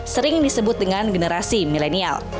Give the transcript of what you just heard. sering disebut dengan generasi milenial